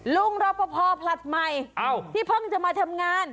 รอปภผลัดใหม่ที่เพิ่งจะมาทำงาน